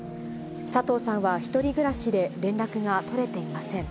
佐藤さんは１人暮らしで、連絡が取れていません。